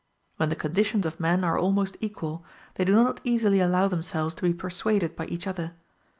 When the conditions of men are almost equal, they do not easily allow themselves to be persuaded by each other.